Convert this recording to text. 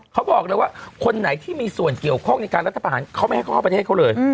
เขาบอกเลยว่าคนไหนที่มีส่วนเกี่ยวข้องในการรัฐประหารเขาไม่ให้เขาเข้าประเทศเขาเลย